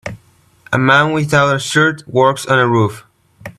A man without a shirt works on a roof.